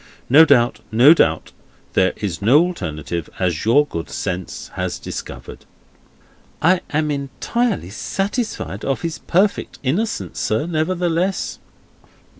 No doubt, no doubt. There is no alternative, as your good sense has discovered." "I am entirely satisfied of his perfect innocence, sir, nevertheless."